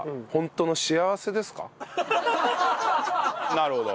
なるほど。